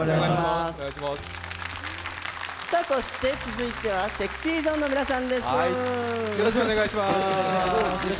続いてはＳｅｘｙＺｏｎｅの皆さんです。